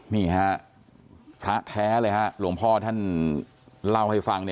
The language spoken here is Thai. นี่ฮะพระแท้เลยฮะหลวงพ่อท่านเล่าให้ฟัง